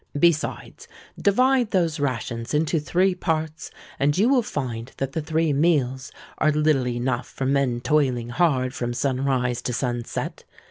Besides, divide those rations into three parts, and you will find that the three meals are little enough for men toiling hard from sunrise to sunset.